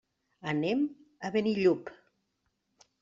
Anem a Benillup.